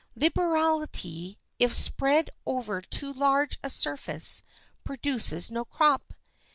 Liberality, if spread over too large a surface, produces no crop.